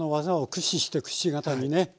駆使してくし形。